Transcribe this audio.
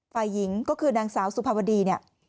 ฝ่ายหญิงก็คือนางสาวสุภาวดีเนี่ย